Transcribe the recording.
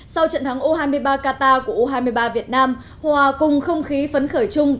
sau trận thắng u hai mươi ba qatar của u hai mươi ba việt nam hòa cùng không khí phấn khởi chung